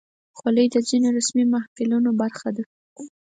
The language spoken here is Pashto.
خولۍ د ځینو رسمي محفلونو برخه ده.